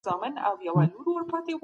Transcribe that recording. دولت د کوچنیو کاروبارونو ملاتړ کوي.